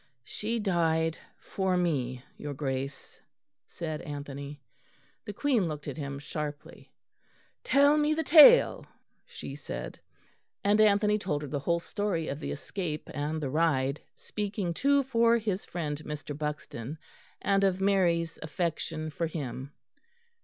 "She died for me, your Grace," said Anthony. The Queen looked at him sharply. "Tell me the tale," she said. And Anthony told her the whole story of the escape and the ride; speaking too for his friend, Mr. Buxton, and of Mary's affection for him.